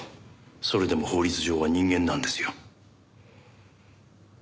それでも法律上は人間なんですよ。